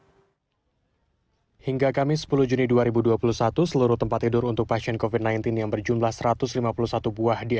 hai hingga kamis sepuluh juni dua ribu dua puluh satu seluruh tempat tidur untuk passion copy sembilan belas yang berjumlah satu ratus lima puluh satu buah di